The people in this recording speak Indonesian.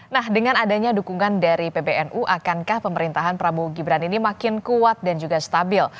nah dengan adanya dukungan dari pbnu akankah pemerintahan prabowo gibran ini makin kuat dan juga stabil